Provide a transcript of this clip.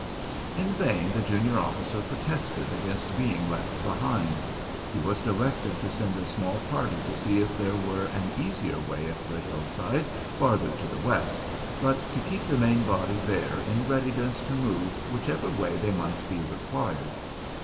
In vain the junior officer protested against being left behind; he was directed to send a small party to see if there were an easier way up the hill side farther to the west, but to keep the main body there in readiness to move whichever way they might be required.